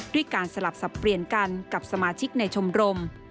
ด้วยการสลับสับเปลี่ยนกันกับสมาชิกในชมรม